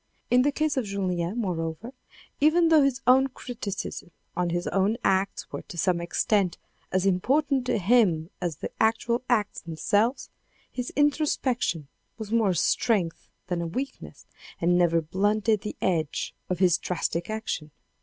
In the case of julien, moreover, even though his own criticisms on his own acts were to some extent as important to him as the actual acts themselves, his introspection was more a strength than a weakness and never blunted the edge of his drastic action.